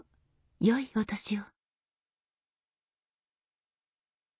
よいお年を。